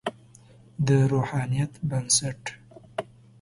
د روحانیت بنسټ.